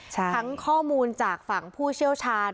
ทั้งข้อมูลจากฝั่งผู้เชี่ยวชาญ